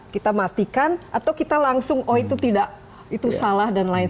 kita matikan atau kita langsung oh itu tidak itu salah dan lain